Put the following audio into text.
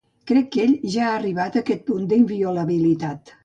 Crec que ell ja ha arribat a aquest punt d'inviolabilitat.